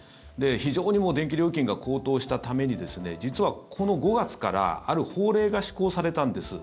非常に電気料金が高騰したために実はこの５月からある法令が施行されたんです。